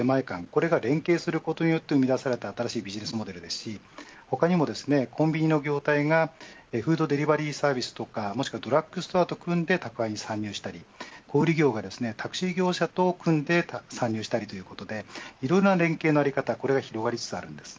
これが連携することによって生み出された新しいビジネスモデルですし他にも、コンビニの業態がフードデリバリーサービスとかもしくはドラッグストアと組んで宅配に参入したり小売り業がタクシー業者と組んで参入したりということでいろいろな連携の在り方が広がりつつあるんです。